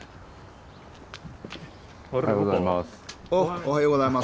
おはようございます。